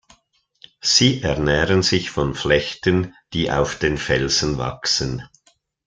Sie ernähren sich von Flechten, die auf den Felsen wachsen.